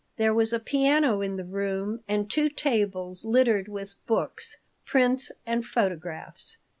There was a piano in the room and two tables littered with books, prints, and photographs.